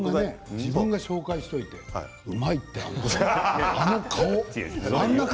自分が紹介しておいてうまいって、あの顔。